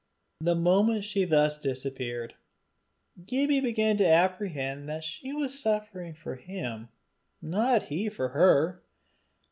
The moment she thus disappeared, Gibbie began to apprehend that she was suffering for him, not he for her.